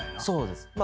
そうです。